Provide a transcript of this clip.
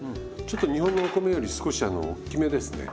ちょっと日本のお米より少しおっきめですね。